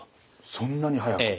そんなに速く。